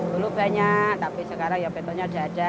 dulu banyak tapi sekarang petruknya sudah ada